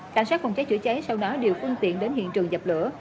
cảnh sát phòng cháy chữa cháy sau đó điều phương tiện đến hiện trường dập lửa